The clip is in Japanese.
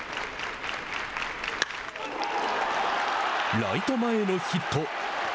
ライト前へのヒット。